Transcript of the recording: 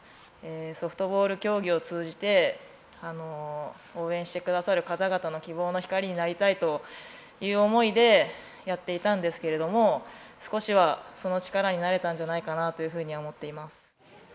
ソフトボールを通じて、応援してくださる方々の希望の光になりたいという思いでやっていたんですけれども、少しは、その力になれたんじゃないかなと思っています。